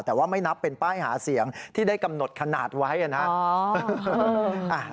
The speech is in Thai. แต่ว่าไม่นับเป็นป้ายหาเสียงที่ได้กำหนดขนาดไว้นะครับ